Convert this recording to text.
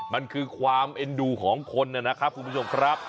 มันคือความเอ็นดูของคนนะครับคุณผู้ชมครับ